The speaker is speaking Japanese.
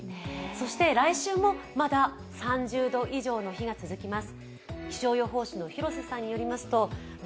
来週もまだ３０度以上の日が続きます。